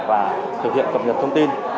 và thực hiện cập nhật thông tin